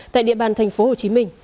tại địa bàn tp hcm